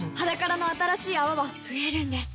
「ｈａｄａｋａｒａ」の新しい泡は増えるんです